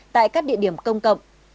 tại các địa điểm công cộng